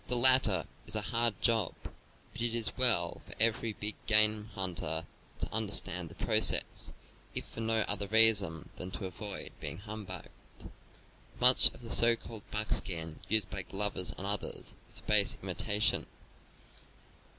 The latter is a hard job; but ,. it is well for everj big game hunter to understand the process, if for no other reason than to avoid being humbugged. Much of the so called buckskin used by glovers and others is a base imitation.